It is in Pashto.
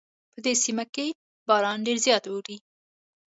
په دې سیمه کې باران ډېر زیات اوري